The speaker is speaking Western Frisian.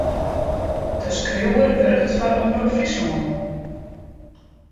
De skriuwer wurket foar Omrop Fryslân.